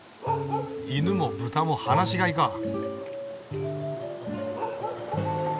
犬もブタも放し飼いかあ。